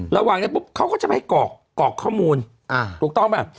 ระหว่างนั้นปุ๊บเขาก็จะไปให้กรอกข้อมูลถูกต้องป่ะ